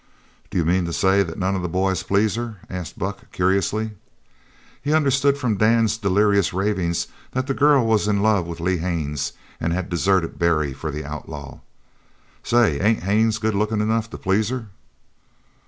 "D'you mean to say none of the boys please her?" asked Buck curiously. He understood from Dan's delirious ravings that the girl was in love with Lee Haines and had deserted Barry for the outlaw. "Say, ain't Haines goodlookin' enough to please her?"